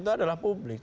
itu adalah publik